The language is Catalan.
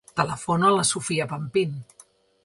Telefona a la Sofía Pampin.